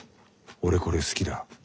俺これ好きだ。